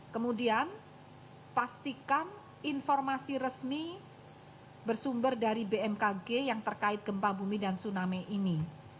kemudian pastikan informasi resmi bersumber dari bmkg yang terkait gempa bumi dan tsunami ini